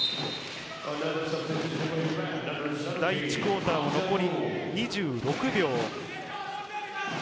第１クオーター残り２６秒。